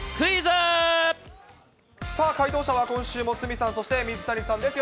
解答者は、今週も鷲見さん、そして水谷さんです。